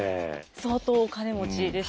相当お金持ちでした。